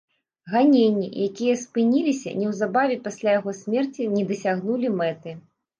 Ганенні, якія спыніліся неўзабаве пасля яго смерці, не дасягнулі мэты.